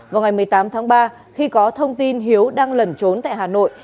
vào ngày một mươi tám tháng ba khi có thông tin hiếu đang lẩn trốn tại hà nội